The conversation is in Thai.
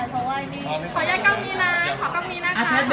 ขอบคุณแม่ก่อนต้องกลางนะครับ